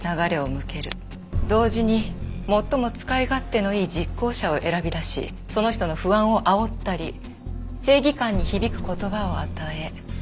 同時に最も使い勝手のいい実行者を選び出しその人の不安をあおったり正義感に響く言葉を与え